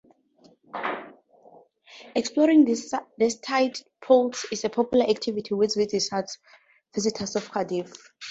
Exploring these tide pools is a popular activity for visitors of Cardiff.